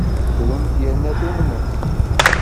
Trumt yerna tumnemt.